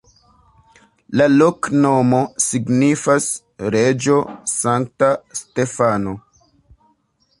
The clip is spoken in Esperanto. La loknomo signifas: reĝo-sankta-Stefano.